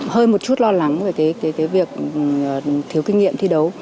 hơn một chút lo lắng về cái việc thiếu kinh nghiệm thi đấu